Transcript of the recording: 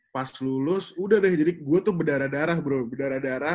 pas lulus udah deh jadi gue tuh berdarah darah bro berdarah darah